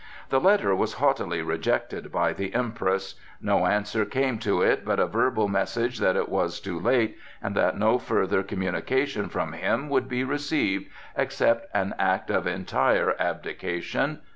The letter was haughtily rejected by the Empress; no answer came to it but a verbal message that it was too late, and that no further communication from him would be received except an act of entire abdication.